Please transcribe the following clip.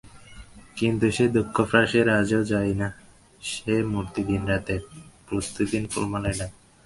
কিন্তু সে দুঃখ ফ্রাঁসের আজও যায় না, সে মূর্তি দিনরাত প্রেতোদ্দিষ্ট ফুলমালায় ঢাকা।